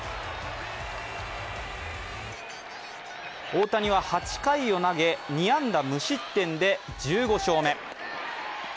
大谷は８回を投げ、２安打無失点で１５勝目。